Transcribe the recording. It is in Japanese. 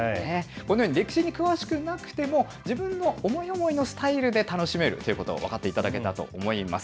このように歴史に詳しくなくても、自分の思い思いのスタイルで楽しめるということを分かっていただけたと思います。